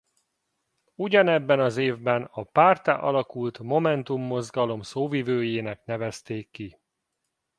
Ugyanebben az évben a párttá alakult Momentum Mozgalom szóvivőjének nevezték ki.